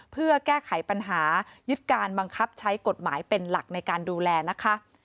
เพื่อแก้ไขปัญหายึดการบังคับใช้กฎหมายเป็นหลักในการดูแลนะคะ